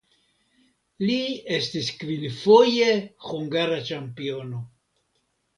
Li estis kvinfoje hungara ĉampiono.